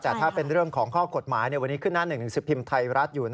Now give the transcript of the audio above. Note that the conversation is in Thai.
แต่ถ้าเป็นเรื่องของข้อกฎหมายวันนี้ขึ้นหน้าหนึ่งหนังสือพิมพ์ไทยรัฐอยู่